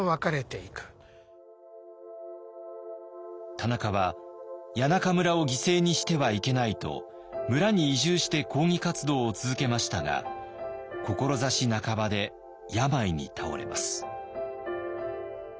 田中は谷中村を犠牲にしてはいけないと村に移住して抗議活動を続けましたが志半ばで病に倒れます。